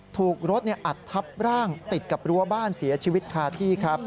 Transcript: ถูกรถอัดทับร่างติดกับรั้วบ้านเสียชีวิตคาที่ครับ